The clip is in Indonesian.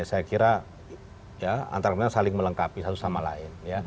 saya kira antara saling melengkapi satu sama lain